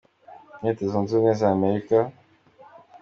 muri Leta zunze ubumwe za Amerika.